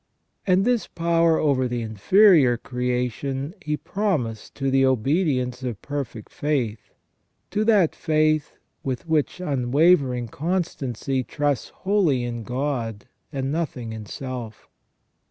And this power over the inferior creation He promised to the obedience of perfect faith, to that faith which with unwavering constancy trusts wholly in God and nothing in self.